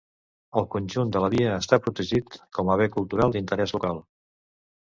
El conjunt de la via està protegit com a bé cultural d'interès local.